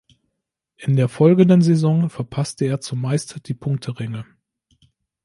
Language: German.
In der folgenden Saison verpasste er zumeist die Punkteränge.